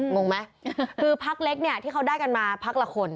งงไหมคือพักเล็กเนี่ยที่เขาได้กันมาพักละคน